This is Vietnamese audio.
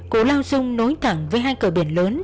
cô lao dung nối thẳng với hai cờ biển lớn